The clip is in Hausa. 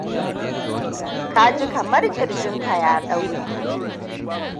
ka ji kamar kirjin ka ya ɗaure